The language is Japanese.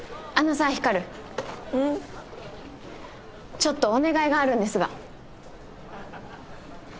ちょっとお願いがあるんですが。